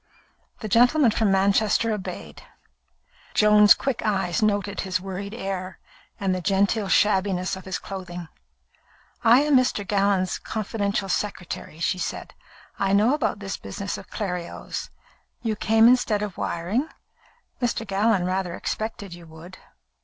The gentleman from Manchester obeyed. Joan's quick eyes noted his worried air and the genteel shabbiness of his clothing. "I am Mr. Gallon's confidential secretary," she said. "I know about this business of Clerios. You came instead of wiring? Mr. Gallon rather expected you would."